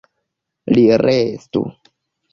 Li restu.